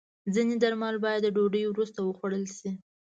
ځینې درمل باید د ډوډۍ وروسته وخوړل شي.